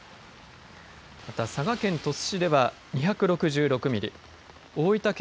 また佐賀県鳥栖市では２６６ミリ大分県